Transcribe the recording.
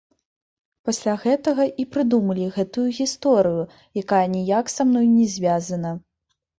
Пасля гэтага і прыдумалі гэтую гісторыю, якая ніяк са мной не звязана.